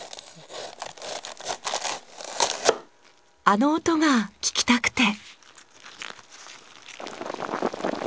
あの音が聞きたくて。